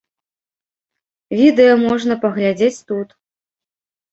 Відэа можна паглядзець тут.